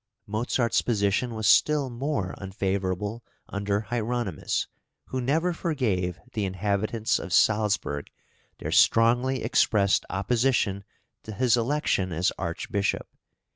Mozart's position was still more unfavourable under Hieronymus, who never forgave the inhabitants of Salzburg their strongly expressed opposition to his election as Archbishop.